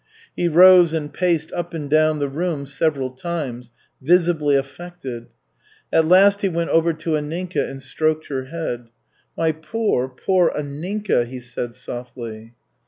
He rose and paced up and down the room several times, visibly affected. At last he went over to Anninka and stroked her head. "My poor, poor Anninka!" he said softly.